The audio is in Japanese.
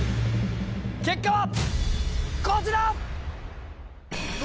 結果はこちら！